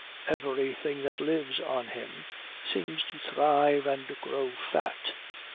Everything that lives on him seems to thrive and grow fat.